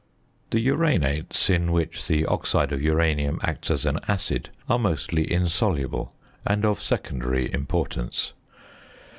The uranates, in which the oxide of uranium acts as an acid, are mostly insoluble and of secondary importance.